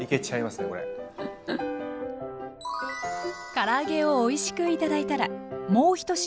から揚げをおいしく頂いたらもう１品。